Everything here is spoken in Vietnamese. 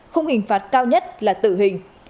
khung hình phạt cao nhất là tự hình